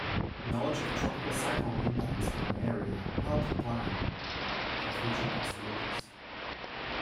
Knowledge of tropical cyclone impacts on an area help plan for future possibilities.